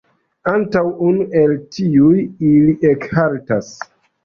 Antaŭ unu el tiuj ili ekhaltas.